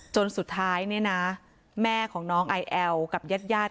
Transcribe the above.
จนสุดท้ายนะแม่ของน้องอายแอวกับญาติ